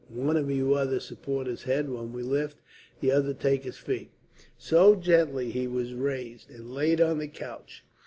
One of you others support his head when we lift, the other take his feet." So, gently he was raised and laid on the couch.